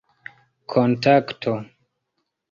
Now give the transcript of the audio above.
kontakto